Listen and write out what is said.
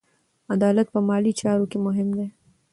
عدالت په مالي چارو کې مهم دی.